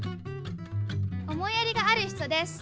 おもいやりがあるひとです。